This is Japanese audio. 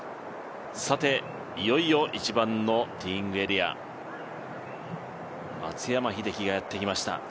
いよいよ１番のティーイングエリア、松山英樹がやってきました。